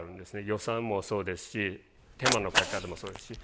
予算もそうですし手間のかけ方もそうですし。